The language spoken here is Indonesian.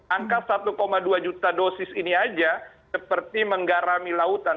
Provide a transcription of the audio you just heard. angka satu dua juta dosis ini aja seperti menggarami lautan